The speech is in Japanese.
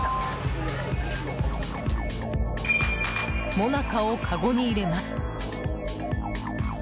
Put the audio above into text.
もなかをかごに入れます。